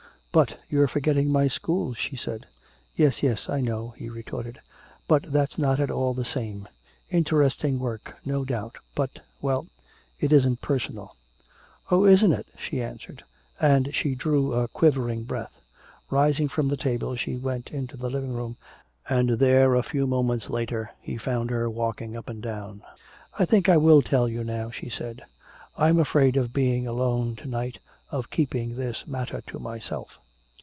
But you're forgetting my school," she said. "Yes, yes, I know," he retorted. "But that's not at all the same. Interesting work, no doubt, but well, it isn't personal." "Oh, isn't it?" she answered, and she drew a quivering breath. Rising from the table she went into the living room, and there a few moments later he found her walking up and down. "I think I will tell you now," she said. "I'm afraid of being alone to night, of keeping this matter to myself."